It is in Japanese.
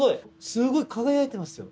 すごい輝いてますよ。